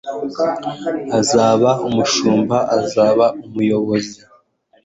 Azaba umushumba azaba umuyobozi